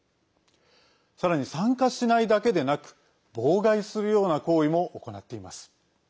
さらに、参加しないだけでなく妨害するような行為も行っています。